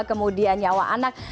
kemudian nyawa anak